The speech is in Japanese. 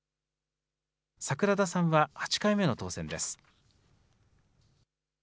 桜田さんは８回目の当選です。